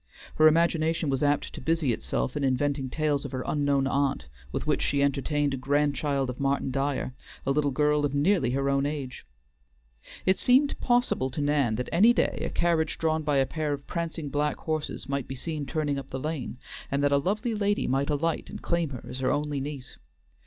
Her imagination was apt to busy itself in inventing tales of her unknown aunt, with which she entertained a grandchild of Martin Dyer, a little girl of nearly her own age. It seemed possible to Nan that any day a carriage drawn by a pair of prancing black horses might be seen turning up the lane, and that a lovely lady might alight and claim her as her only niece.